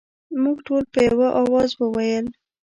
موږ ټولو په یوه اواز وویل.